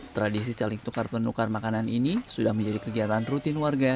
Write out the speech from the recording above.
tradisi saling tukar penukar makanan ini sudah menjadi kegiatan rutin warga